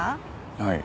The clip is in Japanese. はい。